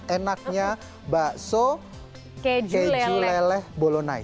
enaknya bakso keju leleh bolonai